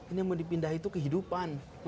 ini yang mau dipindah itu kehidupan